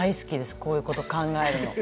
こういうことを考えるの。